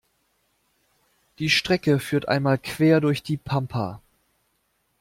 Die Strecke führt einmal quer durch die Pampa.